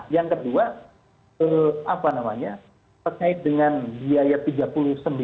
yang kedua apa namanya terkait dengan biaya tiga puluh sembilan juta ini